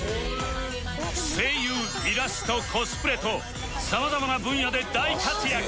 声優イラストコスプレとさまざまな分野で大活躍